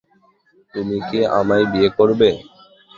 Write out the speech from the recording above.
তুমি কি আমায় বিয়ে করবে?